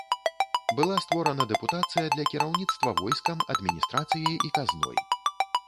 Была створана дэпутацыя для кіраўніцтва войскам, адміністрацыяй і казной.